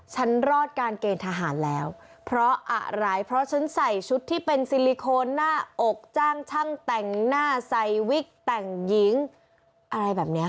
ฉันรอดการเกณฑ์ทหารแล้วเพราะอะไรเพราะฉันใส่ชุดที่เป็นซิลิโคนหน้าอกจ้างช่างแต่งหน้าใส่วิกแต่งหญิงอะไรแบบนี้ค่ะ